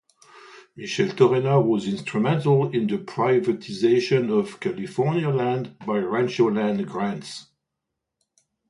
Micheltorena was instrumental in the privatisation of California land by rancho land grants.